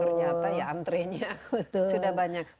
ternyata ya antrenya sudah banyak